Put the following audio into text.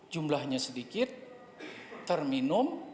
jumlahnya sedikit terminum